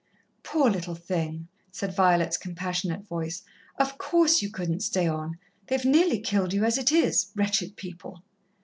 "Poor little thing!" said Violet's compassionate voice. "Of course, you couldn't stay on. They've nearly killed you, as it is wretched people!"